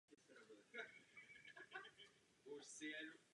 Z vrcholu je výhled na velkou oblast německého Krušnohoří.